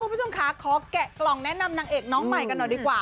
คุณผู้ชมค่ะขอแกะกล่องแนะนำนางเอกน้องใหม่กันหน่อยดีกว่า